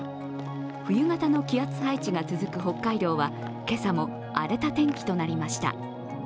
冬型の気圧配置が続く北海道は今朝も荒れた天気となりました。